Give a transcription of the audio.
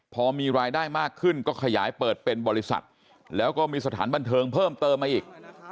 พอมีรายได้มากขึ้นก็ขยายเปิดเป็นบริษัทแล้วก็มีสถานบันเทิงเพิ่มเติมมาอีก